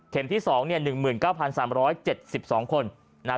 เข็มที่สองเนี่ยหนึ่งหมื่นเก้าพันสามร้อยเจ็ดสิบสองคนนะฮะ